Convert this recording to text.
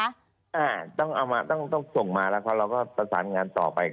อ่าต้องส่งมาแล้วเราสตาร์ทงานต่อไป